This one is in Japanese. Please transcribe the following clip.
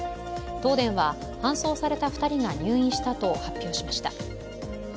東電は搬送された２人が入院したと発表しました。